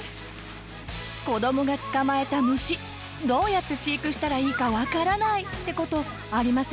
子どもが捕まえた虫どうやって飼育したらいいか分からないって事ありませんか？